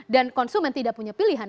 dan konsumen tidak punya pilihan